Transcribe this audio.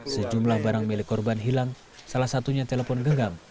sejumlah barang milik korban hilang salah satunya telepon genggam